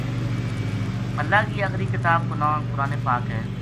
اللہ کی آخری کتاب کو ناں قرآن پاک ہے۔